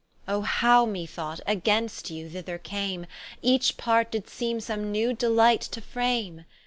Oh how (me thought) against you thither came, Each part did seeme some new delight to frame!